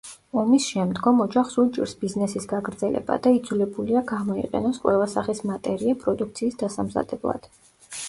ომის შემდგომ, ოჯახს უჭირს ბიზნესის გაგრძელება და იძულებულია გამოიყენოს ყველა სახის მატერია პროდუქციის დასამზადებლად.